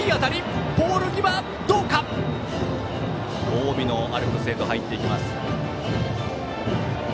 近江のアルプスへと入っていきました。